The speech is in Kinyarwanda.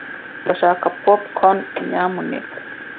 Ndashaka popcorn, nyamuneka.